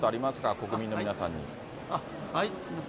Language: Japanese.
国民の皆さんに。